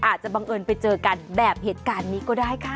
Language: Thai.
อาจจะบังเอิญไปเจอกันแบบเหตุการณ์นี้ก็ได้ค่ะ